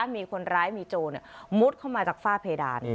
มีคนร้ายมีโจรมุดเข้ามาจากฝ้าเพดาน